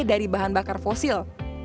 dari bahan bakar fosil